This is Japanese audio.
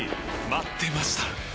待ってました！